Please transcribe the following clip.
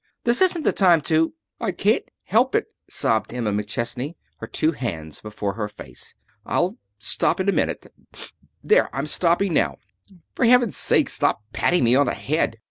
This isn't the time to " "I can't help it," sobbed Emma McChesney, her two hands before her face. "I'll stop in a minute. There; I'm stopping now. For Heaven's sake, stop patting me on the head!"